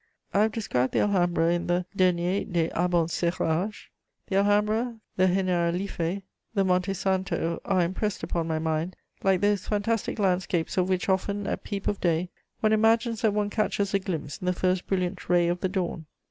I have described the Alhambra in the Dernier des Abencerages. The Alhambra, the Generalife, the Monte Santo are impressed upon my mind like those fantastic landscapes of which often, at peep of day, one imagines that one catches a glimpse in the first brilliant ray of the dawn.